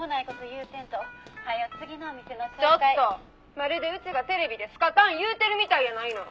まるでうちがテレビでスカタン言うてるみたいやないの！」